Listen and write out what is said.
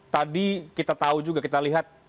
tadi kita tahu juga kita lihat